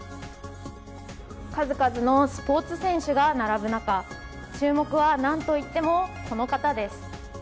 数々のスポーツ選手が並ぶ中注目はなんといっても、この方です